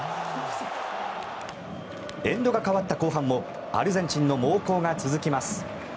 エンドが変わった後半もアルゼンチンの猛攻が続きます。